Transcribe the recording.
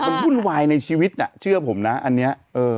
มันวุ่นวายในชีวิตน่ะเชื่อผมนะอันนี้